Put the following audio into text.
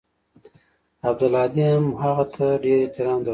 عبدالهادي هم هغه ته ډېر احترام درلود.